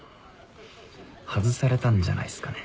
外されたんじゃないっすかね？